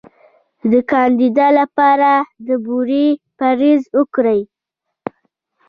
د کاندیدا لپاره د بورې پرهیز وکړئ